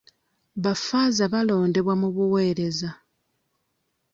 Baffaaza balondebwa mu buweereza.